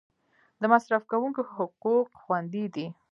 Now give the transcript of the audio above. د مصرف کونکو حقوق خوندي دي؟